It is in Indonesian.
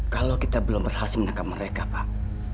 kalau kita belum berhasil menangkap mereka pak